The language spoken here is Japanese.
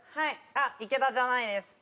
あっ池田じゃないです。